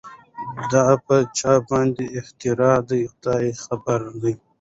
دا په چا باندي اختر دی خداي خبر دی